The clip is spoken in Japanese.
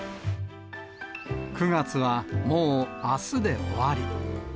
９月はもうあすで終わり。